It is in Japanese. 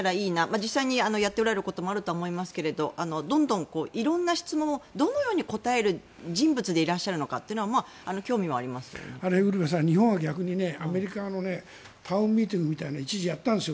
実際にやっておられることもあるとは思いますけれどどんどん色んな質問をどのように答える人物でいらっしゃるのかというのはウルヴェさん、日本は逆にアメリカのタウンミーティングみたいなのを一時やったんですよ。